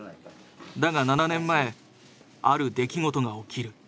だが７年前ある出来事が起きる。